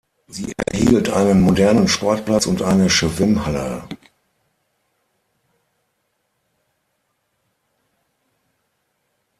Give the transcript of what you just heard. Sie erhielt einen modernen Sportplatz und eine Schwimmhalle.